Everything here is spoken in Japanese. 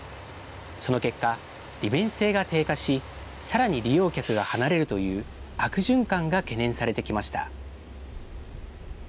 その結果、利便性が低下し、さらに利用客が離れるという悪循環が懸念されてきました。